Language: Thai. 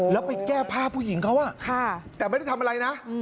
แล้วไปแก้ผ้าผู้หญิงเขาแต่ไม่ได้ทำอะไรนะ